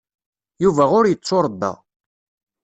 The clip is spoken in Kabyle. Yuba ur yettuṛebba.